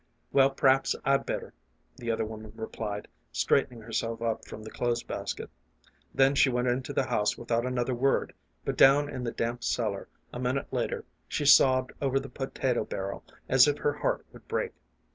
"Well, p'r'aps I'd better," the other woman replied, straightening herself up from the clothes basket. Then she went into the house without another word ; but down in the damp cellar, a minute later, she sobbed over the potato barrel as if her heart would break.